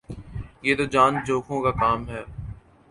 یہ تو جان جو کھوں کا کام ہے